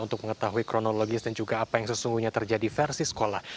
untuk mengetahui kronologis dan juga apa yang sesungguhnya terjadi versi sekolah